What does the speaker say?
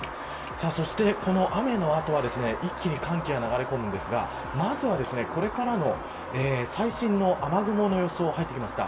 そして、この雨の後は一気に寒気が流れ込むんですがまずは、これからの最新の雨雲の予想が入ってきました。